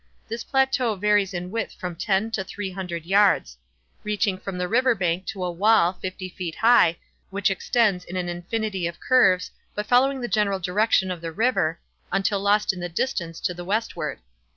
This plateau varies in width from ten to three hundred yards; reaching from the river bank to a wall, fifty feet high, which extends, in an infinity of curves, but following the general direction of the river, until lost in the distance to the westward.